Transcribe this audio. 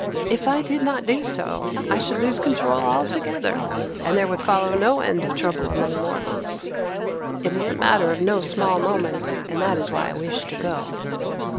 If I did not do so I should lose control altogether, and there would follow no end of trouble among mortals. It is a matter of no small moment, and that is why I wished to go.